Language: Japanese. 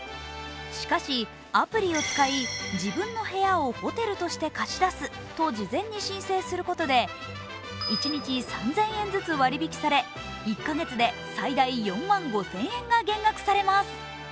しかし、アプリを使い自分の部屋をホテルとして貸し出すと事前に申請することで一日３０００円ずつ割り引きされ、１カ月で最大４万５０００円が減額されます。